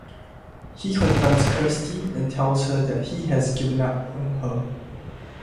He confronts Kirsty and tells her that he has given up on her.